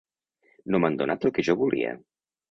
No m’han donat el que jo volia.